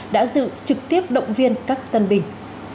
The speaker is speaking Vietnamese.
đã dự trực tiếp động viên các tân binh